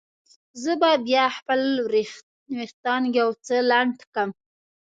زه به بیا خپل وریښتان یو څه لنډ کړم.